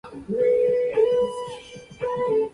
駐車場。そうだ、駐車場に行ったんだ。僕は呟く、声を出す。